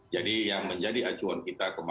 jadi yang menjadi acuan kita kembali